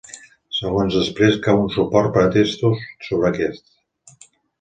Segons després cau un suport per a testos sobre aquest.